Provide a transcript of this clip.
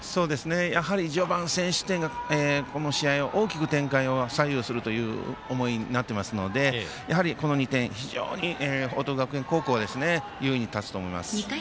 やはり序盤、先取点この試合の展開を大きく左右するということになっていますのでやはり、この２点非常に報徳学園高校は優位に立つと思います。